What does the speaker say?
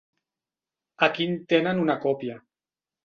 Aquí en tenen una còpia.